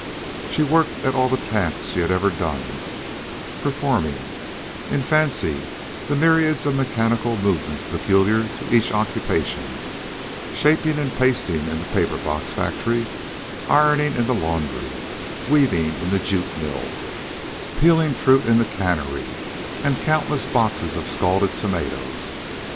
She worked at all the tasks she had ever done, performing, in fancy, the myriads of mechanical movements peculiar to each occupation shaping and pasting in the paper box factory, ironing in the laundry, weaving in the jute mill, peeling fruit in the cannery and countless boxes of scalded tomatoes.